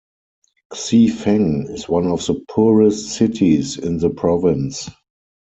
Xifeng is one of the poorest cities in the province.